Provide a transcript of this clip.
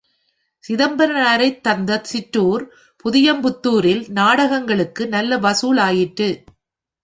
சிதம்பரனரைத் தந்த சிற்றூர் புதியம்புத்தூரில் நாடகங்களுக்கு நல்ல வசூல் ஆயிற்று.